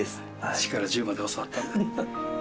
一から十まで教わったんで。